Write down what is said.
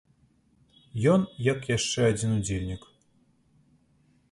Ён, як яшчэ адзін удзельнік.